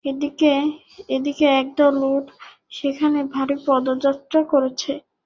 এদিকে, একদল উট সেখানে ভারী পদযাত্রা করেছে।